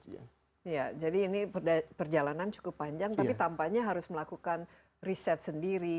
iya jadi ini perjalanan cukup panjang tapi tampaknya harus melakukan riset sendiri